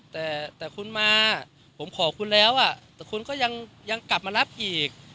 แต่คุณมาผมขอคุณแล้วแต่คุณก็ยังกลับมารับอีก